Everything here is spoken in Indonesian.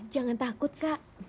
jangan takut kak